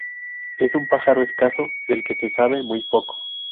Es un pájaro escaso, del que se sabe muy poco.